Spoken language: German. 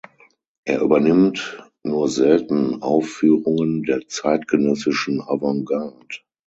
Er übernimmt nur selten Aufführungen der zeitgenössischen Avantgarde.